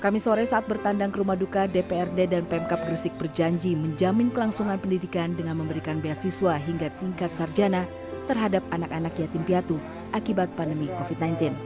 kami sore saat bertandang ke rumah duka dprd dan pemkap gresik berjanji menjamin kelangsungan pendidikan dengan memberikan beasiswa hingga tingkat sarjana terhadap anak anak yatim piatu akibat pandemi covid sembilan belas